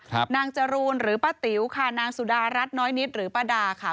นางจรูนหรือป้าติ๋วค่ะนางสุดารัฐน้อยนิดหรือป้าดาค่ะ